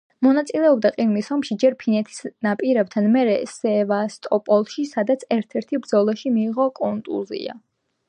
მონაწილეობდა ყირიმის ომში ჯერ ფინეთის ნაპირებთან, მერე სევასტოპოლში, სადაც ერთ-ერთ ბრძოლაში მიიღო კონტუზია.